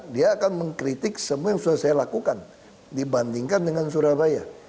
dia akan mengkritik semua yang sudah saya lakukan dibandingkan dengan surabaya